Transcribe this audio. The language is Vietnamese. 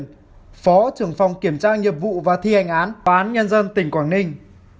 phó trưởng phòng kiểm tra nghiệp vụ và thi hành án tòa án nhân dân tỉnh quảng ninh